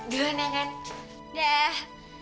jom nengan dah